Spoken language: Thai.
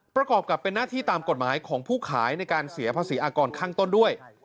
ประกอบกับเป็นหน้าที่ตามกฎหมายของผู้ขายในการเสียภาษีอากรข้างต้นด้วย